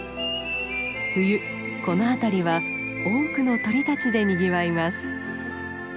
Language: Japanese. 冬この辺りは多くの鳥たちでにぎわいます。